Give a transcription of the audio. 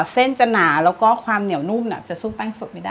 เส้นจะหนาแล้วก็ความเหนียวนุ่มจะสู้แป้งสดไม่ได้